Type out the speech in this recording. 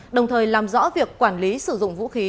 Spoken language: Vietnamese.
đồng thời làm rõ việc quản lý sử dụng vũ khí